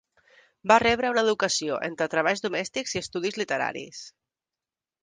Va rebre una educació entre treballs domèstics i estudis literaris.